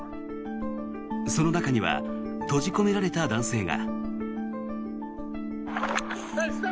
その中には閉じ込められた男性が。